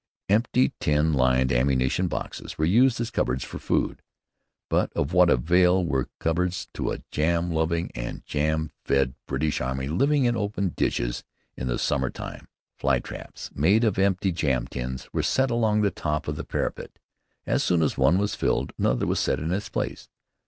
Empty tin lined ammunition boxes were used as cupboards for food. But of what avail were cupboards to a jam loving and jam fed British army living in open ditches in the summer time? Flytraps made of empty jam tins were set along the top of the parapet. As soon as one was filled, another was set in its place.